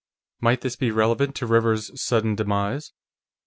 Might this be relevant to Rivers's sudden demise?"